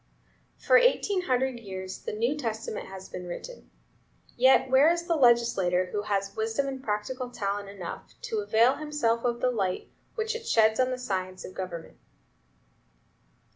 For eighteen hundred years the New Testament has been written; yet where is the legislator who has wisdom and practical talent enough to avail himself of the light which it sheds on the science of government?"